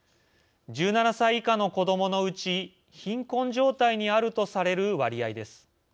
１７歳以下の子どものうち貧困状態にあるとされる割合です。